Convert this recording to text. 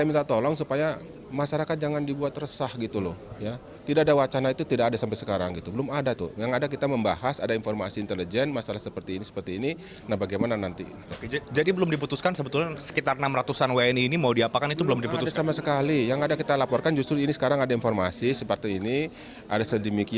bapak komjen paul soehardi alius